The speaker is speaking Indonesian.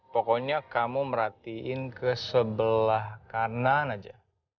pokoknya kamu merhatiin ke sebelah kanan aja